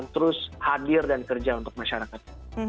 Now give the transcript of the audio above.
terus hadir dan kerja untuk masyarakat